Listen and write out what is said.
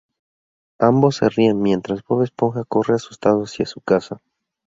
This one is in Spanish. Ambos se ríen mientras Bob Esponja corre asustado hacia su casa.